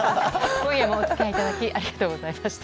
今夜もお付き合いいただきありがとうございました。